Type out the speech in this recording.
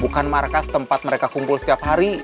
bukan markas tempat mereka kumpul setiap hari